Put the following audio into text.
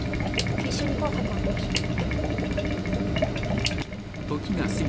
一緒に『紅白』を見ましょう。